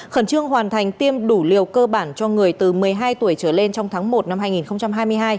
khẩn trương hoàn thành tiêm đủ liều cơ bản cho người từ một mươi hai tuổi trở lên trong tháng một năm hai nghìn hai mươi hai